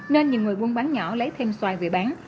nên nhiều người buôn bán nhỏ lấy thêm xoài về bán